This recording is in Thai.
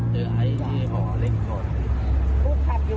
ถ้าคนเจอที่รถแต่ว่าถ้าปฏิเสธได้อยู่